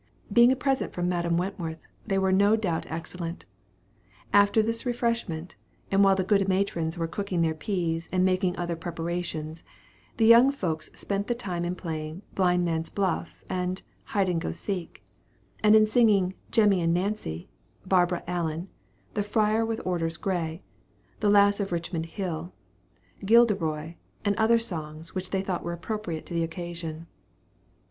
Being a present from Madame Wentworth, they were no doubt excellent. After this refreshment, and while the good matrons were cooking their peas, and making other preparations, the young folks spent the time in playing "blind man's buff," and "hide and go seek," and in singing "Jemmy and Nancy," "Barbara Allen," "The Friar with Orders Grey," "The Lass of Richmond Hill," "Gilderoy," and other songs which they thought were appropriate to the occasion.